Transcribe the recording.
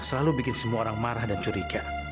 selalu bikin semua orang marah dan curiga